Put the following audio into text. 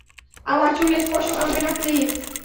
আমার চুল স্পর্শ করবে না, প্লিজ।